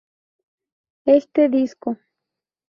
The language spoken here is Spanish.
Este disco.